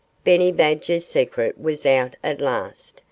Benny Badger's secret was out at last.